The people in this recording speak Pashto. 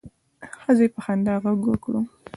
ښځې په خندا غږ وکړ.